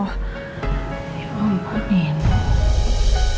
ya ampun nino